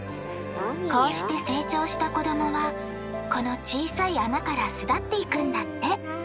こうして成長した子どもはこの小さい穴から巣立っていくんだって。